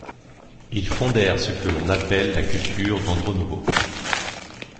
Ils fondèrent ce que l'on appelle la culture d'Andronovo.